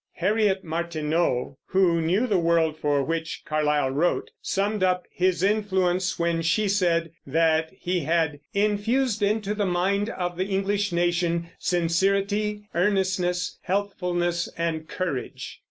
Harriet Martineau, who knew the world for which Carlyle wrote, summed up his influence when she said that he had "infused into the mind of the English nation ... sincerity, earnestness, healthfulness, and courage."